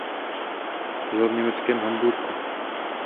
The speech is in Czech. Žil v německém Hamburku.